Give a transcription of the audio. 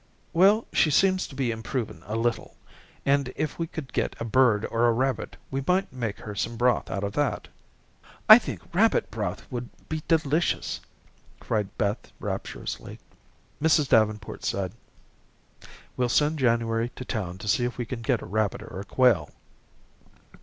"Well, she seems to be improving a little, and if we could get a bird or a rabbit we might make her some broth out of that." "I think rabbit broth would be delicious," cried Beth rapturously. Mrs. Davenport said: "We'll send January to town to see if we can get a rabbit or a quail."